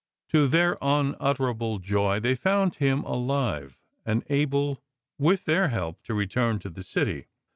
To their unutter able joy they found him alive, and able with their help to return to the city.